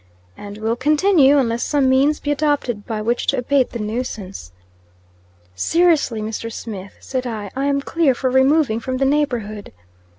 "And will continue, unless some means be adopted by which to abate the nuisance." "Seriously, Mr. Smith," said I, "I am clear for removing from the neighborhood."